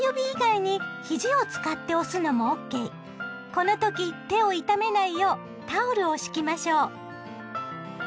この時手を痛めないようタオルを敷きましょう。